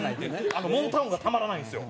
あのモーター音がたまらないんですよ。